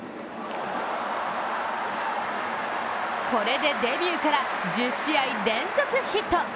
これで、デビューから１０試合連続ヒット。